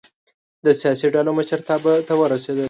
د سیاسي ډلو مشرتابه ته ورسېدل.